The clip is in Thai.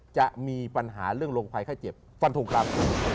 จะมีปัญหาเรื่องโรงไพรไข้เจ็บฟันธุงกรรม